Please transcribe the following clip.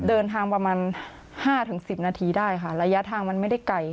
เดินทางประมาณ๕๑๐นาทีได้ค่ะระยะทางมันไม่ได้ไกล